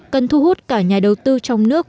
cần thu hút cả nhà đầu tư trong nước